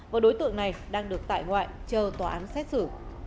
và đối tượng này đang được tại ngoại chờ tòa án xét xử